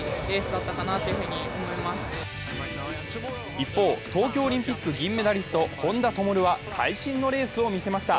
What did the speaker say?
一方、東京オリンピック銀メダリスト、本多灯は会心のレースを見せました。